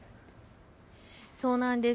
そうなんです。